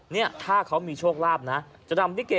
เนี่ยถ้าเขามีโชคลาภนะจะดำลิเก